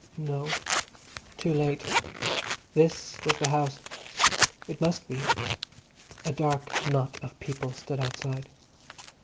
No, too late. This was the house. It must be. A dark knot of people stood outside.